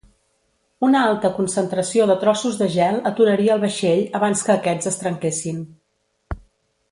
Una alta concentració de trossos de gel aturaria el vaixell, abans que aquests es trenquessin.